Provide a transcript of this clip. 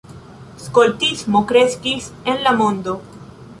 Skoltismo kreskis en la mondo.